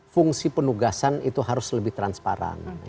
fungsi penugasan itu harus lebih transparan